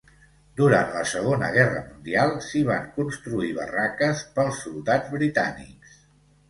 Durant la Segona Guerra Mundial, s'hi van construir barraques pels soldats britànics.